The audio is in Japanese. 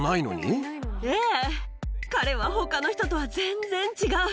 彼はほかの人とは全然違う。